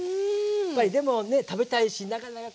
やっぱりでもね食べたいしなかなかこうすぐには。